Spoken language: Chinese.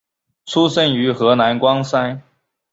出生于河南光山。